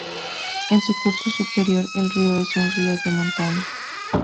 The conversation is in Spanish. En su curso superior, el río es un río de montaña.